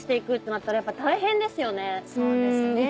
そうですね。